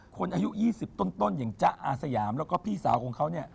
อายุ๒๐ต้นอย่างจ๊ะอาสยามแล้วก็พี่สาวของเขาเนี่ย